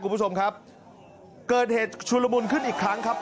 คุณผู้ชมครับเกิดเหตุชุลมุนขึ้นอีกครั้งครับ